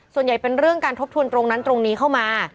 เป็นเรื่องการทบทวนตรงนั้นตรงนี้เข้ามา